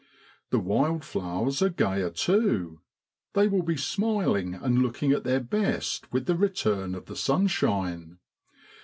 The wild flowers are gayer too, they will be smiling and looking at their best with the return of the sunshine.